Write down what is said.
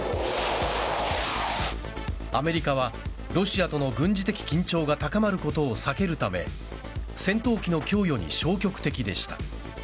アメリカはロシアとの軍事的緊張が高まることを避けるため戦闘機の供与に消極的でした。